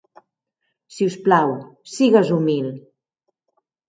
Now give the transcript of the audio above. Si us plau, sigues humil.